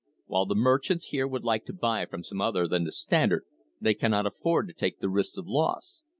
While the merchants here would like to buy from some other than the Standard they cannot afford to take the risks of loss.